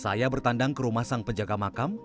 saya bertandang ke rumah sang penjaga makam